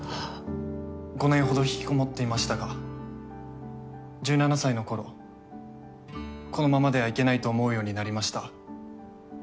５年ほど引きこもっていましたが１７歳の頃このままではいけないと思うようになりました。